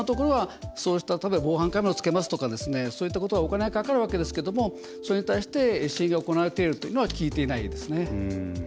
防犯カメラをつけますとかそういったことはお金がかかるわけですけどそれに対して支援が行われているというのは聞いていないですね。